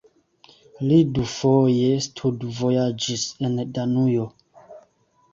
Li dufoje studvojaĝis en Danujo.